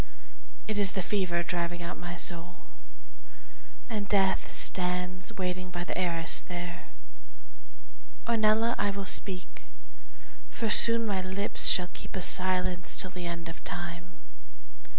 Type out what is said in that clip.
It is the fever driving out my soul, And Death stands waiting by the arras there. Ornella, I will speak, for soon my lips Shall keep a silence till the end of time.